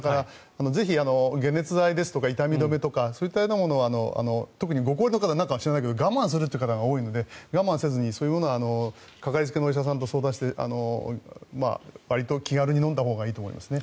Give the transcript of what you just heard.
ぜひ、解熱剤とか痛み止めとかそういったものは特にご高齢の方に多いのかわかりませんが我慢するという方が多いので我慢せずに、そういうものはかかりつけのお医者さんと相談をして、わりと気軽に飲んだほうがいいと思いますね。